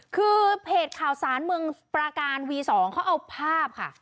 คือเพจข่าวสารเมืองปราการวี๒เขาเอาภาพค่ะ